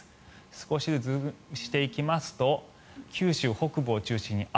少しズームしていきますと九州北部を中心に赤。